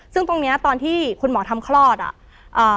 ซึ่งตรงเนี้ยตอนที่คุณหมอทำคลอดอ่ะ